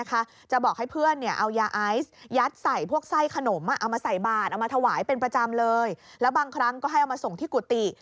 ก็หวายเป็นประจำเลยแล้วบางครั้งก็ให้เอามาส่งที่กุฏิ